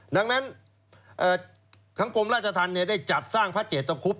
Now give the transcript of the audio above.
ดังนั้นทางกรมราชธรรมได้จัดสร้างพระเจตคุบ